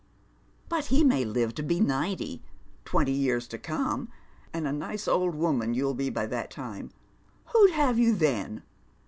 " But he may live to be ninety — twenty years to come, — and a nice old woman you'd be by that time. Who'd have you then?